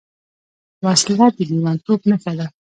وسله د لېونتوب نښه ده